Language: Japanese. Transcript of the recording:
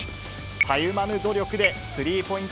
たゆまぬ努力でスリーポイント